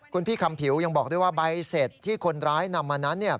คุณพี่คำผิวยังบอกด้วยว่าใบเสร็จที่คนร้ายนำมานั้นเนี่ย